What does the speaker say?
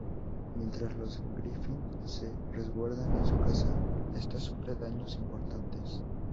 Mientras los Griffin se resguardan en su casa, esta sufre daños importantes.